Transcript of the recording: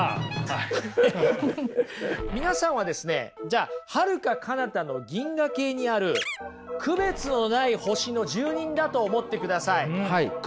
皆さんはですねじゃあはるか彼方の銀河系にある区別のない星の住民だと思ってください。